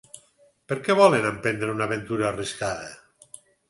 Per què volen emprendre una aventura arriscada?